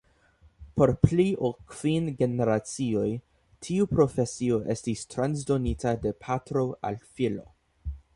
Por pli ol kvin generacioj tiu profesio estis transdonita de patro al filo.